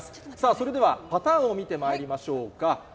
それではパターンを見てまいりましょうか。